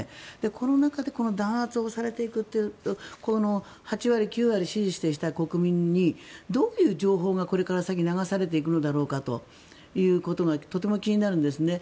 この中で、この弾圧をされていくという８割、９割支持していた国民にどういう情報がこれから先流されていくんだろうかということがとても気になるんですね。